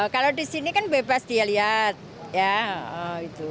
kalau di sini kan bebas dia lihat ya